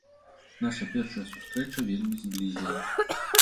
Наша першая сустрэча вельмі зблізіла.